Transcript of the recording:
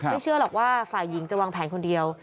เชื่อหรอกว่าฝ่ายหญิงจะวางแผนคนเดียว